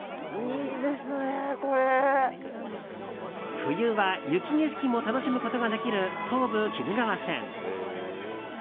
冬は雪景色も楽しむことができる東武鬼怒川線。